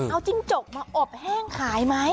เอาจิ้งจกมาอบแห้งขายไหม